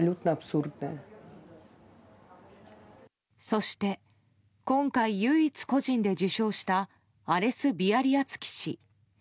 そして今回、唯一個人で受賞したアレス・ビアリアツキ氏。